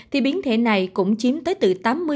thì biến thể này cũng chiếm tới từ